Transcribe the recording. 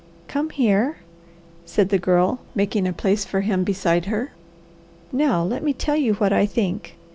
"Come here," said the Girl, making a place for him beside her. "Now let me tell you what I think.